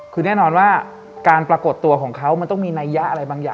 คือแน่นอนว่าการปรากฏตัวของเขามันต้องมีนัยยะอะไรบางอย่าง